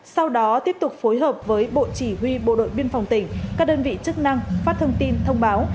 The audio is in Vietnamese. sau đó tiếp tục phối hợp với bộ chỉ huy bộ đội biên phòng tỉnh các đơn vị chức năng phát thông tin thông báo